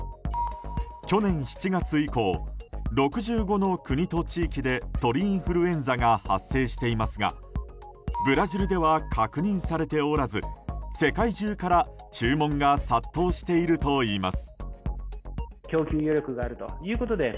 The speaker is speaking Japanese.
去年７月以降６５の国と地域で鳥インフルエンザが発生していますがブラジルでは確認されておらず世界中から注文が殺到しているといいます。